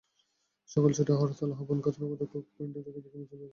সকাল ছয়টায় হরতাল আহ্বানকারীরা নগরের কোর্ট পয়েন্ট থেকে বিক্ষোভ মিছিল বের করে।